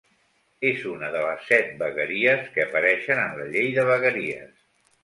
És una de les set vegueries que apareixen en la Llei de vegueries.